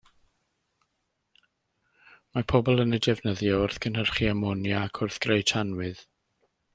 Mae pobl yn ei defnyddio wrth gynhyrchu amonia, ac wrth greu tanwydd.